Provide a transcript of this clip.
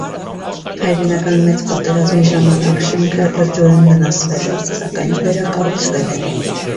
Հայրենական մեծ պատերազմի ժամանակ շենքը լրջորեն վնասվել է, սակայն վերակառուցվել է։